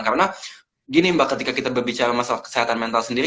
karena gini mbak ketika kita berbicara tentang kesehatan mental sendiri